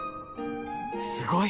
すごい！